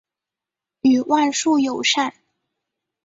与万树友善。